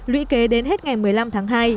lũy kế đến hết ngày một mươi năm tháng hai